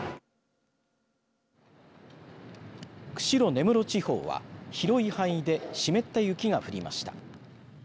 釧路・根室地方は広い範囲で湿った雪が降りました。